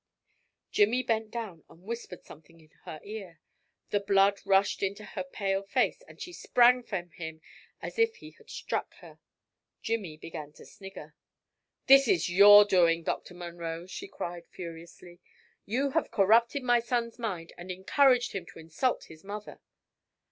Jimmy bent down and whispered something in her ear. The blood rushed into her pale face, and she sprang from him as if he had struck her. Jimmy began to snigger. "This is your doing, Dr. Munro," she cried furiously. "You have corrupted my son's mind, and encouraged him to insult his mother."